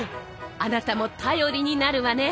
あなたも頼りになるわね。